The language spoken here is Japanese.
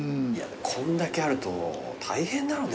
こんだけあると大変だろうね。